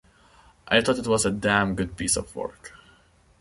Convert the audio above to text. I thought it was a damn good piece of work.